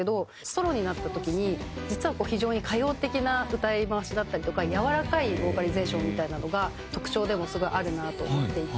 ソロになった時に実は非常に歌謡的な歌い回しだったりとかやわらかいボーカリゼーションみたいなのが特徴でもすごいあるなと思っていて。